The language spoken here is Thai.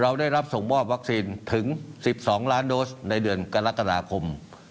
ได้รับส่งมอบวัคซีนถึง๑๒ล้านโดสในเดือนกรกฎาคม